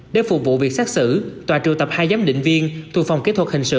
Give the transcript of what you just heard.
để phục vụ việc xét xử tòa trừu tập hai giám định viên thu phòng kỹ thuật hình sự